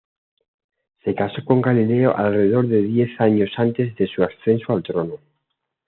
Se casó con Galieno alrededor de diez años antes de su ascenso al trono.